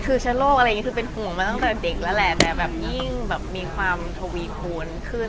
คือชะโลกเป็นห่วงมาตั้งแต่เด็กแล้วแหละแต่ยิ่งมีความทวีคูณขึ้น